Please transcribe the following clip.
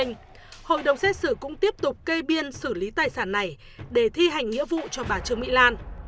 hội đồng xét xử cũng tiếp tục kê biên xử lý tài sản này để thi hành nghĩa vụ cho bà trương mỹ lan